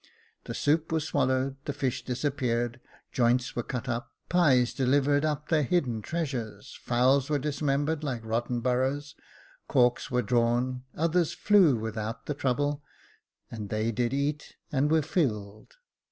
The soup was swallowed, the fish disappeared, joints were cut up, pies delivered up their hidden treasures, fowls were dismembered like rotten boroughs, corks were drawn, others flew without the trouble, and they did eat and were filled.